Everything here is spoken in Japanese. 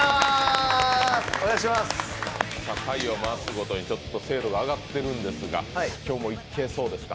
回を回すごとに精度が上がっているんですが今日もいけそうですか？